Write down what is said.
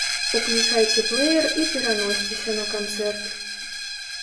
Уключайце плэер і пераносьцеся на канцэрт.